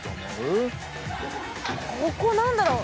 ここ何だろう？